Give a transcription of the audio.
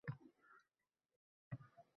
Ertadan keyin roʻmol oʻra deydi.